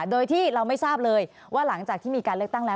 โดยที่เราไม่ทราบเลยว่าหลังจากที่มีการเลือกตั้งแล้ว